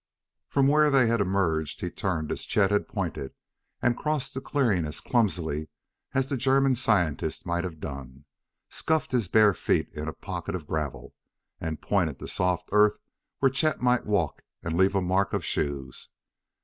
From where they emerged he turned as Chet had pointed, crossed the clearing as clumsily as the German scientist might have done, scuffed his bare feet in a pocket of gravel, and pointed to soft earth where Chet might walk and leave a mark of shoes.